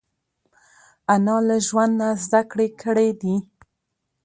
انا له ژوند نه زده کړې کړې دي